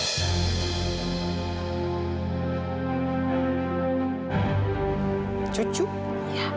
ibu laras sudah mencoba untuk mencoba